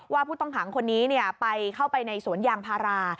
ว่าผู้ต้องขังคนนี้ไปเข้าไปในสวนยางพารา